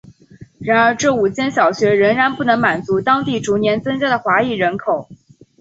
然而这五间小学仍然不能满足当地逐年增加的华裔人口。